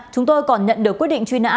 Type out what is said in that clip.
chúng tôi còn nhận được quyết định truy nã